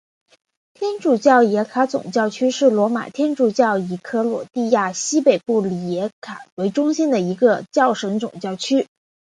天主教里耶卡总教区是罗马天主教以克罗地亚西北部里耶卡为中心的一个教省总教区。